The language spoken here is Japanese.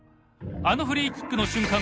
あのフリーキックの瞬間